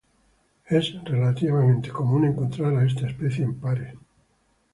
Es relativamente común encontrar a esta especie en pares.